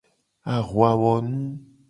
Ahuawonu.